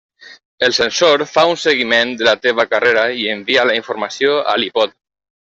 El sensor fa un seguiment de la teva carrera i envia la informació a l'iPod.